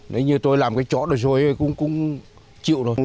nếu như tôi làm cái chỗ rồi rồi cũng chịu thôi